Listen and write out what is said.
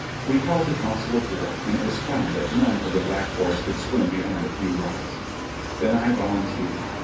We held a council of war, and t was found that none of the Black Horse could swim beyond a few lod.. Then I volunteered.